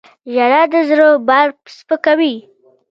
• ژړا د زړه بار سپکوي.